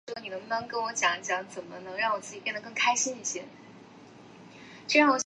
毛粗叶水锦树为茜草科水锦树属下的一个变种。